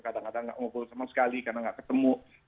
kadang kadang gak ngobrol sama sekali karena gak ketemu